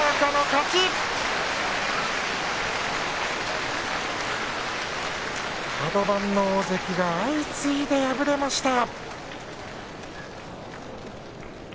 カド番の大関が相次いで敗れました。